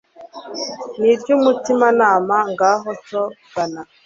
n'iry'umutimanama, ngaho, cyo gana